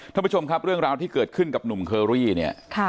ท่านผู้ชมครับเรื่องราวที่เกิดขึ้นกับหนุ่มเคอรี่เนี่ย